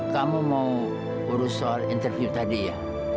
kamu mau urus soal interview tadi ya